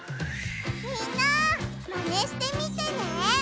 みんなマネしてみてね！